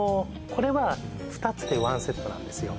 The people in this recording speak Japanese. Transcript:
これは２つでワンセットなんですよ